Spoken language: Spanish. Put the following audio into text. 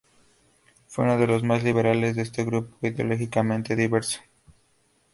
Fue uno de los más liberales de este grupo ideológicamente diverso.